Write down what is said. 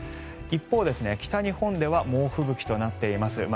一方、北日本では猛吹雪となっています。